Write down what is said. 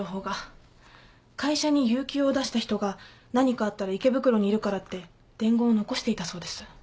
会社に有休を出した人が何かあったら池袋にいるからって伝言を残していたそうです。